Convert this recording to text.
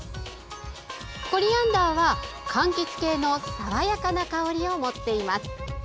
コリアンダーは、かんきつ系の爽やかな香りを持っています。